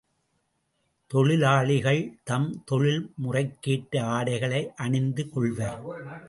தொழிலாளிகள் தம் தொழில் முறைக்கேற்ற ஆடைகளை அணிந்து கொள்வர்.